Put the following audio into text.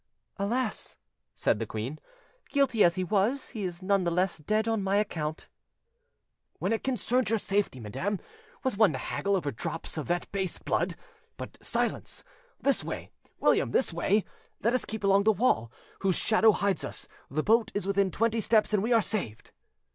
"Alas!" said the queen, "guilty as he was, he is none the less dead on my account." "When it concerned your safety, madam, was one to haggle over drops of that base blood? But silence! This way, William, this way; let us keep along the wall, whose shadow hides us. The boat is within twenty steps, and we are saved."